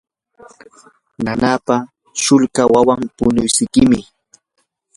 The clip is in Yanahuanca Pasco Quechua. nanapa shulka wawan punuysikim.